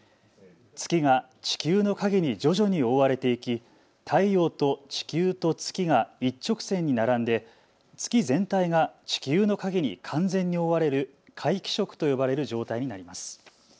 月が地球の影に徐々に覆われていき太陽と地球と月が一直線に並んで月全体が地球の影に完全に覆われる皆既食と呼ばれる状態になります。